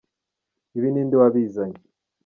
Ibi ninde wabizanye